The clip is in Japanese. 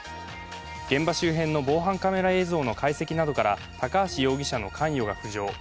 現場周辺の防犯カメラ映像の解析などから高橋容疑者の関与が浮上。